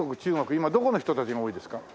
今どこの人たちが多いですか？